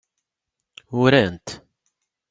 Uran-t.